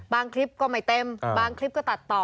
คลิปก็ไม่เต็มบางคลิปก็ตัดต่อ